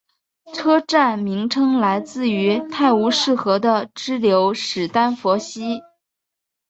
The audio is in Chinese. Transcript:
车站名称来自于泰晤士河的支流史丹佛溪。